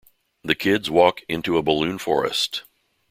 The kids walk into a balloon forest.